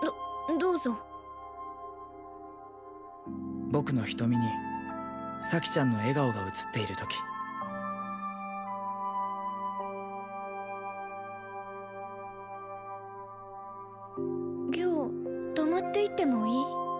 どどうぞ僕の瞳に咲ちゃんの笑顔が映っているとき今日泊まっていってもいい？